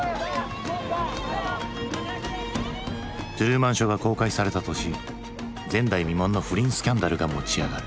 「トゥルーマン・ショー」が公開された年前代未聞の不倫スキャンダルが持ち上がる。